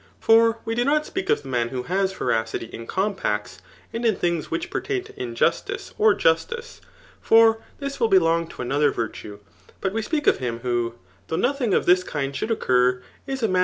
For we do not speak <xf the man who has veracity in compacts, and in things which pertain to injustice ok justice ;.£9r. this will belong to another virtue ; but we speak of him "vbof though nothix^ of dds kind should occur, is a man.